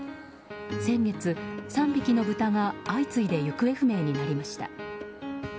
先月、３匹のブタが相次いで行方不明になりました。